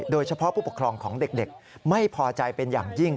โดยเฉพาะผู้ปกครองของเด็กไม่พอใจเป็นอย่างยิ่ง